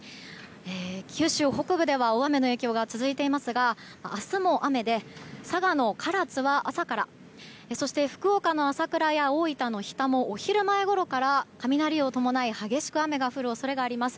九州北部では大雨の影響が続いていますが明日も雨で佐賀の唐津は朝からそして福岡の朝倉や大分の日田もお昼前ごろから、雷を伴い激しく雨が降る恐れがあります。